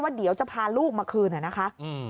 เดี๋ยวจะพาลูกมาคืนนะคะ